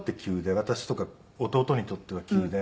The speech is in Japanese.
私とか弟にとっては急で。